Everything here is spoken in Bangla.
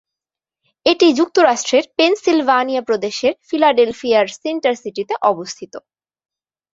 এটি যুক্তরাষ্ট্রের পেনসিলভানিয়া প্রদেশের ফিলাডেলফিয়ার সেন্টার সিটিতে অবস্থিত।